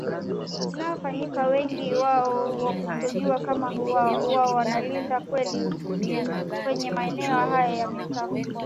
inayofanya wengi wao kutojua kama huwa wanalinda kweli kwenye maeneo hayo ya mitaa